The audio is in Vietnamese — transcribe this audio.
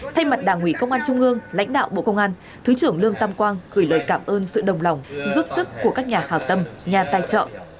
thay mặt đảng ủy công an trung ương lãnh đạo bộ công an thứ trưởng lương tam quang gửi lời cảm ơn sự đồng lòng giúp sức của các nhà hào tâm nhà tài trợ